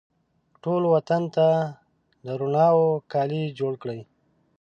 ټول وطن ته د روڼاوو کالي جوړکړي